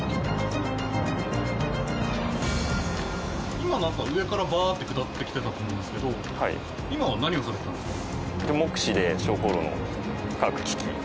今なんか上からバーッて下ってきてたと思うんですけど今は何をされてたんですか？